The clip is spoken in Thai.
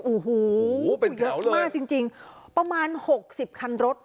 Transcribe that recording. โอ้โหโอ้โหเป็นแถวเลยมากจริงจริงประมาณหกสิบคันรถ